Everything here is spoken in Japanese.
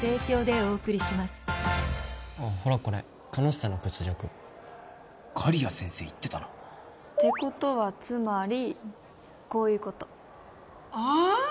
これカノッサの屈辱刈谷先生言ってたなってことはつまりこういうことあ！